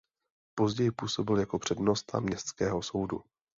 Později působil jako přednosta městského soudu.